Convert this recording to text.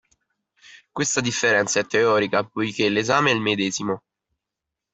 Questa differenza è teorica poiché l'esame è il medesimo.